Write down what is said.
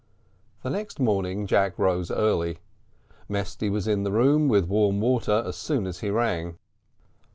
The next morning Jack rose early; Mesty was in the room, with warm water, as soon as he rang.